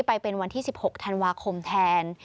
ไปเป็นวันที่๑๖ธันวาคมแทน